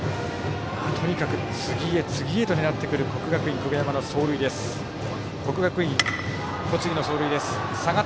とにかく次へ次へと狙ってくる国学院栃木の走塁です。